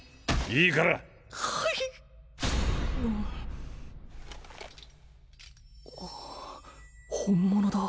いいからはい本物だ